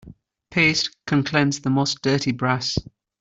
Paste can cleanse the most dirty brass.